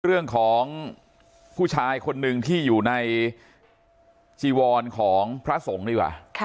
เรื่องของผู้ชายคนหนึ่งที่อยู่ในจีวรของพระสงฆ์ดีกว่า